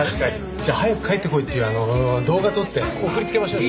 じゃあ早く帰ってこいっていうあの動画撮って送りつけましょうよ。